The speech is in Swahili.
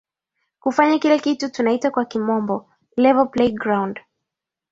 kufanya kile kitu tunaita kwa kimombo level play ground